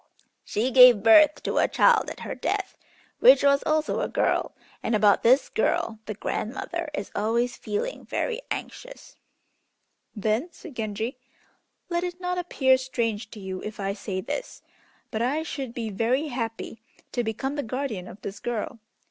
"She gave birth to a child at her death, which was also a girl, and about this girl the grandmother is always feeling very anxious." "Then," said Genji, "let it not appear strange to you if I say this, but I should be very happy to become the guardian of this girl.